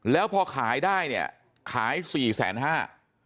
แล้วพอขายได้เนี่ยขายสี่แสนห้า